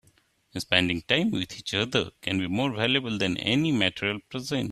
Spending time with each other can be more valuable than any material present.